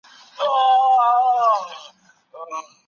ملي شورا د قوانینو د پلي کیدو څارنه کوله.